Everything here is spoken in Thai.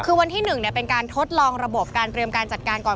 คือวันที่๑เป็นการทดลองระบบการเตรียมการจัดการก่อน